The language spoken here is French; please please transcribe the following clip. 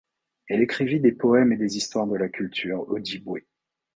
Elle écrivit des poèmes et des histoires de la culture Ojibwé.